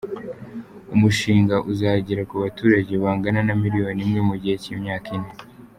Uyu mushinga uzagera ku baturage bangana na miliyoni imwe mu gihe cy’imyaka ine.